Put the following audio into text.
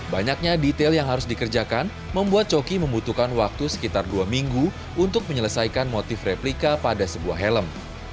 banyaknya detail yang harus dikerjakan membuat coki membutuhkan waktu sekitar dua minggu untuk menyelesaikan motif replika pada sebuah helm